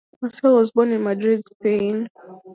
Massiel was born in Madrid, Spain.